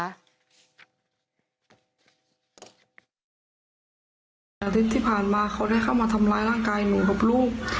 อาทิตย์ที่ผ่านมาเขาได้เข้ามาทำร้ายร่างกายหนูกับลูก